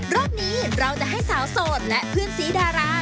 รอบนี้เราจะให้สาวโสดและเพื่อนสีดารา